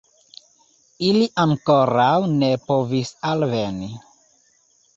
Ili ankoraŭ ne povis alveni.